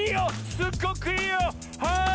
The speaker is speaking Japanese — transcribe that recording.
すっごくいいよ！